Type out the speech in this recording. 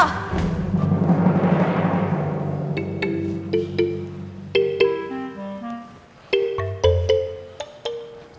ceritanya ini biaya sih mbak